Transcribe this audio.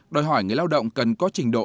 đòi hỏi người lao động cần có trình độ